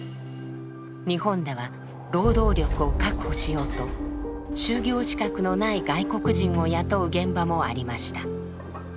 日本では労働力を確保しようと就業資格のない外国人を雇う現場もありました。